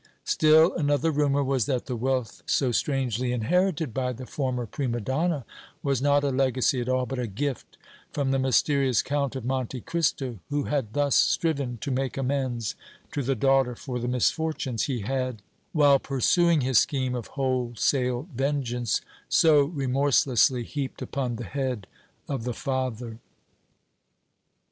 Still another rumor was that the wealth so strangely inherited by the former prima donna was not a legacy at all, but a gift from the mysterious Count of Monte Cristo, who had thus striven to make amends to the daughter for the misfortunes he had, while pursuing his scheme of wholesale vengeance, so remorselessly heaped upon the head of the father.